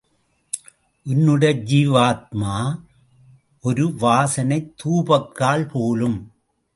உன்னுடைய ஜீவாத்மா ஒரு வாசனைத் தூபக்கால் போலும்.